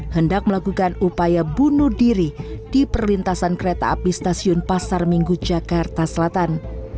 hendak melakukan upaya bunuh diri di perlintasan kereta api stasiun pasar minggu jakarta selatan